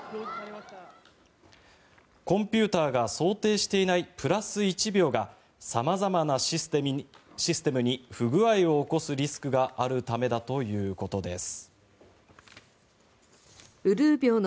コンピューターが想定していないプラス１秒が様々なシステムに不具合を起こすリスクがあるためだということです。